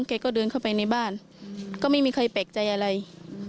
เธอก็ไม่ตั้งใจหรอก